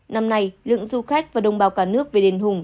năm nay lượng du khách và đồng bào cả nước về đền hùng